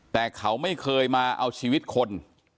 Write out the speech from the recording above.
แต่เขาไม่เคยมาเอาชีวิตคน